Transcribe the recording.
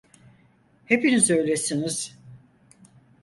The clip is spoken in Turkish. Hepiniz öylesiniz.